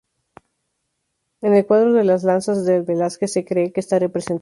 En el cuadro de Las Lanzas de Velázquez, se cree que está representado.